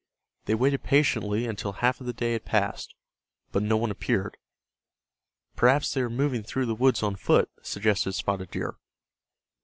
They waited patiently until half of the day had passed, but no one appeared. "Perhaps they are moving through the woods on foot," suggested Spotted Deer.